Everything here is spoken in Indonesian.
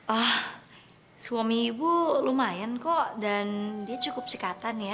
oh suami ibu lumayan kok dan dia cukup cekatan ya